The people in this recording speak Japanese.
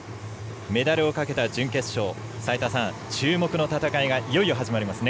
メダルをかけた準決勝齋田さん、注目の戦いがいよいよ始まりますね。